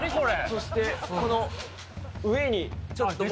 そしてこの上に、ちょっともう。